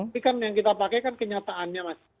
tapi kan yang kita pakai kan kenyataannya mas